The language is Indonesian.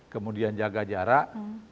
kemudian jaga jarak